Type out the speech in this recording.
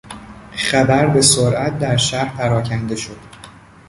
خبر به سرعت در شهر پراکنده شد.